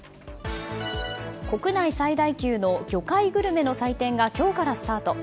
国内最大級の魚介グルメの祭典が今日からスタート。